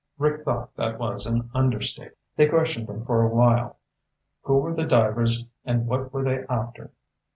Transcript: Rick thought that was an understatement. "They questioned him for a while. Who were the divers and what were they after?